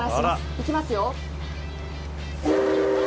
いきますよ。